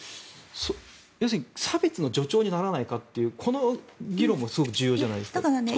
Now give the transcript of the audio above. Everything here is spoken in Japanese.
要するに差別の助長にならないかというこの議論もすごく重要じゃないですか。